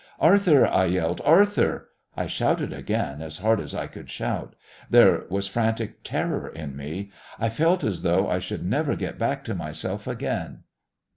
"Arthur!" I yelled. "Arthur!" I shouted again as hard as I could shout. There was frantic terror in me. I felt as though I should never get back to myself again.